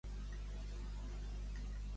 Quin any va descobrir Níobe?